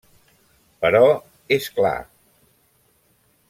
Però és clar.